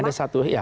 ada satu ya